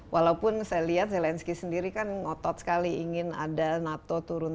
walaupun saya lihat zelensky sendiri kan ngotot sekali ingin ada nato turun